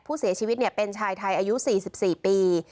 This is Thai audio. ผู้เสียชีวิตเนี้ยเป็นชายไทยอายุสี่สิบสี่ปี